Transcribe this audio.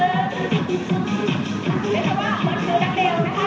เริ่มยกไหล่สิ่งต่างอย่างหนึ่ง